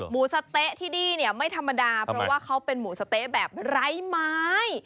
สะเต๊ะที่นี่เนี่ยไม่ธรรมดาเพราะว่าเขาเป็นหมูสะเต๊ะแบบไร้ไม้